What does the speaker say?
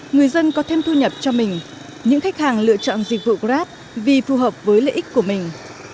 người dân có thêm thu nhập cho mình những khách hàng lựa chọn dịch vụ grab vì phù hợp với lợi ích của mình